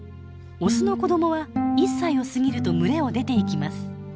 オスの子どもは１歳を過ぎると群れを出ていきます。